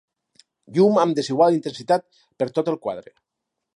Llum amb desigual intensitat per tot el quadre.